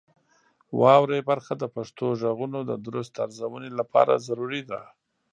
واورئ برخه د پښتو غږونو د درست ارزونې لپاره ضروري ده.